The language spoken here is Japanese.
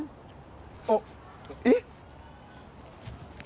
あっえっ？